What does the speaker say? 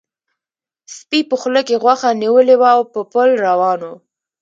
سپي په خوله کې غوښه نیولې وه او په پل روان و.